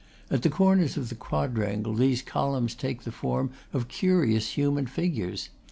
At the corners of the quadrangle these columns take the form of curious human figures.